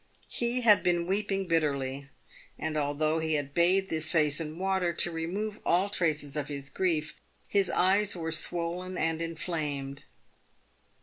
He had been weeping bitterly, and, although he had bathed his i'ace in water to remove all traces of his grief, his eyes were swollen and inflamed.